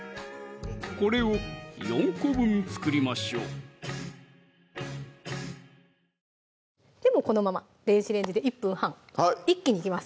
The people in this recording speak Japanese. これを４個分作りましょうこのまま電子レンジで１分半一気にいきます